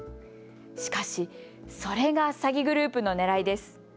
しかしそれが詐欺グループのねらいです。